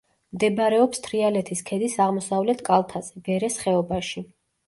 მდებარეობს თრიალეთის ქედის აღმოსავლეთ კალთაზე, ვერეს ხეობაში.